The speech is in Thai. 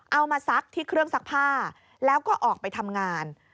มาซักที่เครื่องซักผ้าแล้วก็ออกไปทำงาน